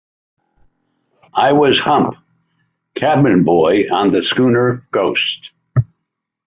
I was Hump, cabin boy on the schooner Ghost.